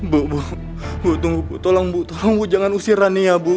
bu tunggu bu tolong jangan usir rania bu